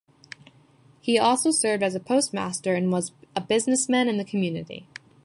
He also served as postmaster and was a businessman in the community.